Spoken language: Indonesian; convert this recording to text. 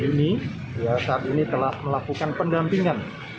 yang dipimpin oleh akbp uni saat ini telah melakukan pendampingan